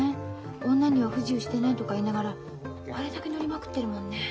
女には不自由してないとか言いながらあれだけのりまくってるもんね。